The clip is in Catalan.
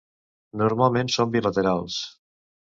Normalment són bilaterals.